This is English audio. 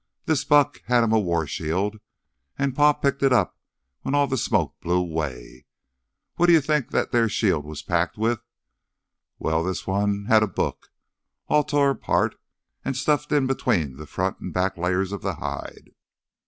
This buck had him a war shield an' Pa picked it up when all th' smoke blew away. What'd' you think that there shield was packed with? Well, this one had a book all tore apart an' stuffed in between th' front an' back layers of hide.